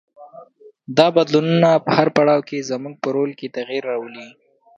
دا بدلونونه په هر پړاو کې زموږ په رول کې تغیر راولي.